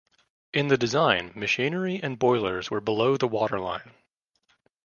In the design machinery and boilers were below the waterline.